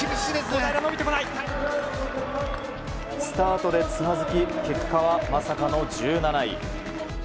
スタートでつまずき結果は、まさかの１７位。